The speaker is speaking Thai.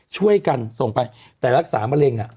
ช่วยกันส่งไปแต่รักษามะเร็ง